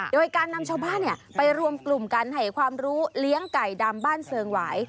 โดยการนำชาวบ้านไปรวมกลุ่มกันให้ความรู้เลี้ยงไก่ดำบ้านเซิงหวาย